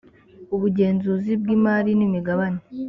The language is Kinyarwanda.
ubugenzuzi bw imari n imigabane